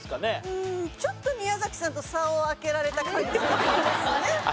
うーんちょっと宮崎さんと差を開けられた感じに見えますよね。